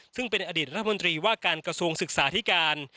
ซึ่งเป็นอดีตรัฐมนตรีว่าการกระทรวงศึกษาธิการ